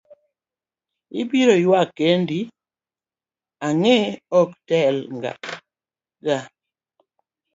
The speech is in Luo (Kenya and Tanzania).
Ibiro yuak kendi, ang'e ok tel ga.